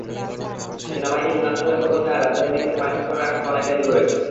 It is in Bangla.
সেনাবাহিনী মুনাক খালের দখল নেওয়ায় রাজধানী দিল্লিতে পানি-সংকটের আশঙ্কা অনেকটাই দূর হয়েছে।